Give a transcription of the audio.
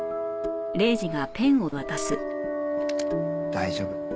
大丈夫。